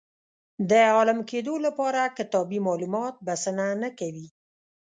د عالم کېدو لپاره کتابي معلومات بسنه نه کوي.